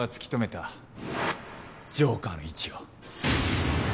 ジョーカーの位置を。